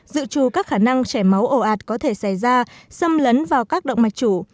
dự trù các khả năng chảy máu ổ ạt có thể xảy ra xâm lấn vào các động mạch chủ